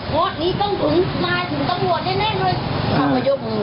เพราะนี่ต้องถึงนายถึงต้องงวดแน่เลย